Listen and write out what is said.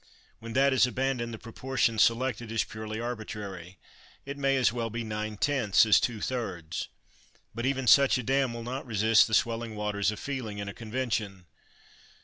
When that is abandoned, the proportion selected is purely arbitrary. It may as well be nine tenths as two thirds. But even such a dam will not resist the swelling waters of feeling in a convention.